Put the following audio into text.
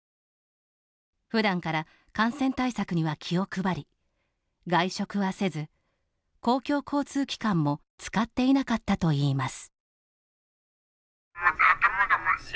普段から感染対策には気を配り外食はせず、公共交通機関も使っていなかったといいます。